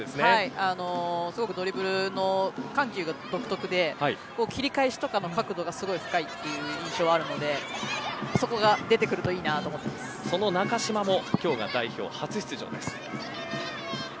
すごくドリブルの緩急が独特で切り返しとかの角度がすごい深いという印象があるのでそこがその中嶋も今日が代表初出場です。